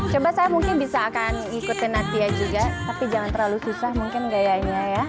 coba saya mungkin bisa akan ikutin natia juga tapi jangan terlalu susah mungkin gayanya ya